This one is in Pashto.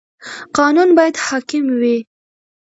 قانون باید حاکم وي.